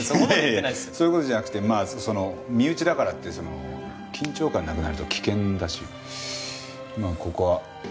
いやいやそういう事じゃなくてまあ身内だからってその緊張感なくなると危険だしまあここは。